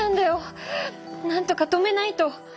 なんとか止めないと！